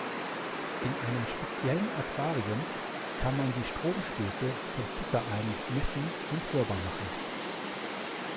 In einem speziellen Aquarium kann man die Stromstöße von Zitteraalen messen und hörbar machen.